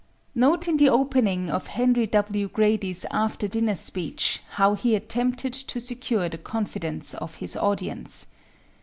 Note in the opening of Henry W. Grady's after dinner speech how he attempted to secure the confidence of his audience.